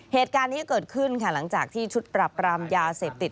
เหตุการณ์นี้เกิดขึ้นค่ะหลังจากที่ชุดปรับรามยาเสพติด